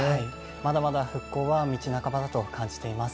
まだまだ復興は道半ばだと感じています。